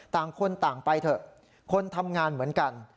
ต่างคนต่างไปเถอะคนทำงานเหมือนกัน